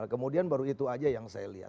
kemudian baru itu aja yang saya lihat